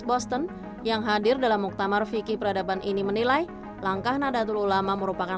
boston yang hadir dalam muktamar fikih peradaban ini menilai langkah nahdlatul ulama merupakan